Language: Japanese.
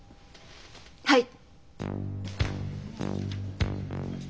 はい！